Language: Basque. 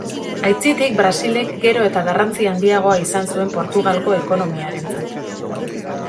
Aitzitik, Brasilek gero eta garrantzi handiagoa izan zuen Portugalgo ekonomiarentzat.